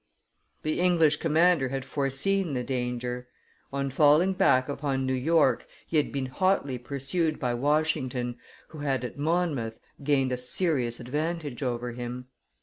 The English commander had foreseen the danger; on falling back upon New York he had been hotly pursued by Washington, who had, at Monmouth, gained a serious advantage over him.